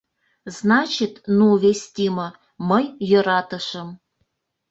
Значит, ну, вестимо, мый йӧратышым.